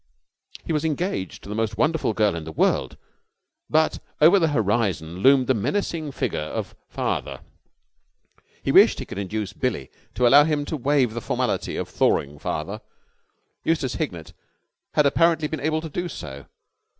He was engaged to the most wonderful girl in the world, but over the horizon loomed the menacing figure of Father. He wished he could induce Billie to allow him to waive the formality of thawing Father. Eustace Hignett had apparently been able to do so.